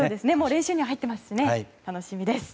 練習には入っていますし楽しみです。